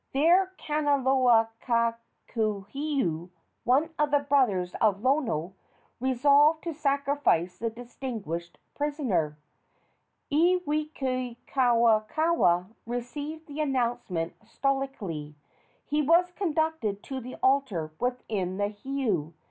There Kanaloa kakulehu, one of the brothers of Lono, resolved to sacrifice the distinguished prisoner. Iwikauikaua received the announcement stoically. He was conducted to the altar within the heiau.